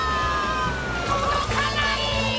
とどかない！